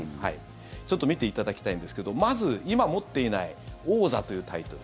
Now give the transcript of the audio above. ちょっと見ていただきたいんですけどまず今、持っていない王座というタイトル。